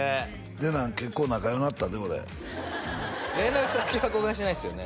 レナン結構仲良うなったで俺連絡先は交換してないっすよね？